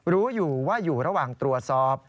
รู้อยู่ว่าอยู่ระหว่างตรวจสอบ